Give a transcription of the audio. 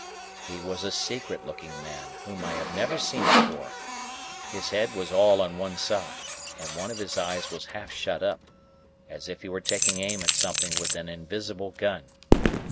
He was a secret looking man whom I had never seen before. His head was all on one side, and one of his eyes was half shut up, as if he were taking aim at something with an invisible gun.